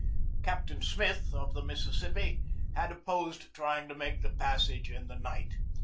Captain Smith, of the Mississippi, had opposed trying to make the passage in the night.